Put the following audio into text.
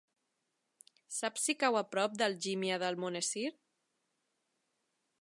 Saps si cau a prop d'Algímia d'Almonesir?